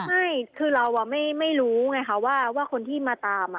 ไม่คือเราไม่รู้ไงคะว่าคนที่มาตาม